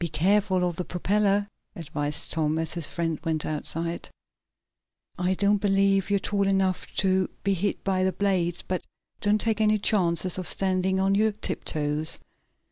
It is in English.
"Be careful of the propeller," advised Tom, as his friend went outside. "I don't believe you're tall enough to be hit by the blades, but don't take any chances of standing on your tiptoes."